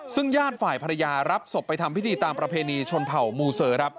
ซึ่งญาติฝ่ายภรรยารับศพไปทำพิธีตามประเพณีชนเผ่ามูเซอร์ครับ